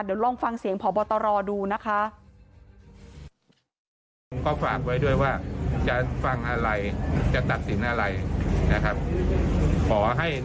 เดี๋ยวลองฟังเสียงพบตรดูนะคะ